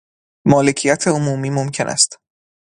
مالکیت عمومی ممکن است